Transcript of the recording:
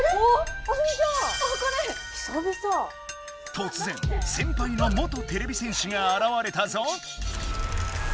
とつぜん先輩の元てれび戦士があらわれたぞ。